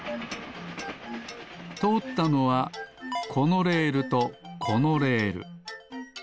とおったのはこのレールとこのレール。